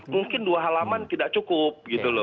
mungkin dua halaman tidak cukup